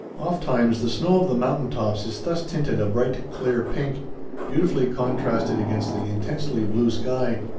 Oftimes the snow of the mountain tops is thus tinted a bright clear pink, beautifully contrasted against the intensely blue sky.